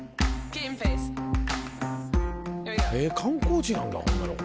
えっ観光地なんだこんなとこ。